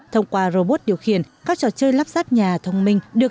thông qua robot điều khiển các trò chơi lắp sát nhà thông minh